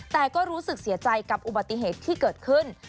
แต่ก็รู้สึกเสียใจกับอุบัติเหตุที่เกิดขึ้น